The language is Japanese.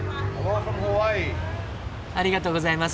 ありがとうございます。